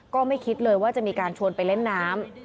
ก็ไม่คิดเลยว่าจะมีการชวนไปเล่นน้ำ